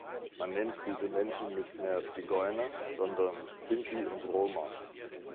Man nennt diese Menschen nicht mehr Zigeuner, sondern Sinti und Roma.